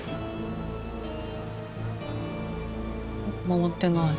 回ってない。